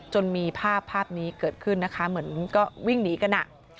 จนมีภาพภาพนี้เกิดขึ้นนะคะเหมือนก็วิ่งหนีกัน